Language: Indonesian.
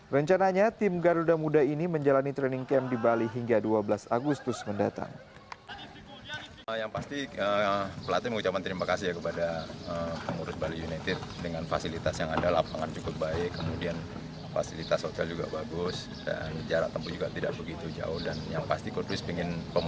rencananya tim garuda muda ini menjalani training camp di bali hingga dua belas agustus mendatang